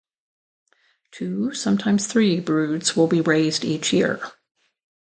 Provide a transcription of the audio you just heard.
Two, sometimes three broods will be raised each year.